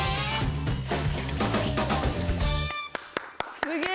すげえ！